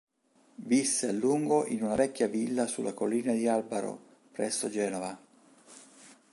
Visse a lungo in una vecchia villa sulla collina di Albaro, presso Genova.